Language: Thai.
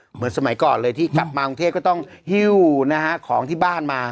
เหมือนสมัยก่อนเลยที่กลับมากรุงเทพก็ต้องหิ้วนะฮะของที่บ้านมา